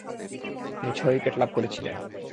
তিনি ছয় উইকেট লাভ করেছিলেন।